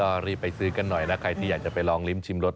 ก็รีบไปซื้อกันหน่อยนะใครที่อยากจะไปลองลิ้มชิมรส